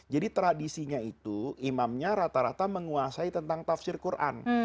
jadi tradisinya itu imamnya rata rata menguasai tentang tafsir qur'an